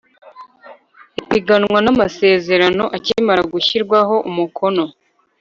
ipiganwa n amasezerano akimara gushyirwaho umukono